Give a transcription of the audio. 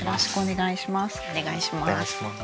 お願いします。